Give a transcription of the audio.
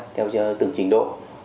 theo từng trình độ